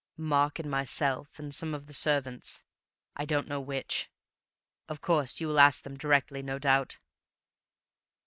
"Mark and myself, and some of the servants. I don't know which. Of course, you will ask them directly, no doubt."